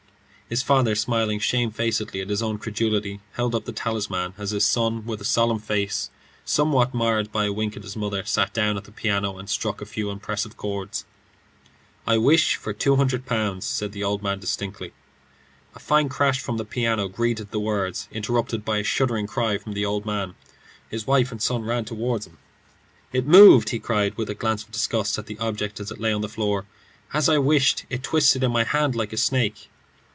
His father, smiling shamefacedly at his own credulity, held up the talisman, as his son, with a solemn face, somewhat marred by a wink at his mother, sat down at the piano and struck a few impressive chords. "I wish for two hundred pounds," said the old man distinctly. A fine crash from the piano greeted the words, interrupted by a shuddering cry from the old man. His wife and son ran toward him. "It moved," he cried, with a glance of disgust at the object as it lay on the floor. "As I wished, it twisted in my hand like a snake."